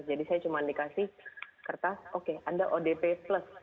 jadi saya hanya diberi kertas oke anda odp plus